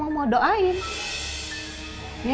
ya ini kan sebuah hal yang sangat penting ya ma